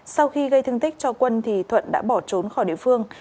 sau khi gây thương tích cho quân thì thuận đã bỏ trốn khỏi địa phương